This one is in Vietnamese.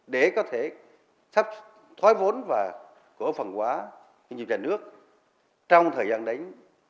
để có thể thoái vốn và cổ phần hóa như nhà nước trong thời gian đánh